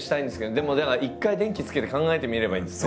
でもだから一回電気つけて考えてみればいいんですね。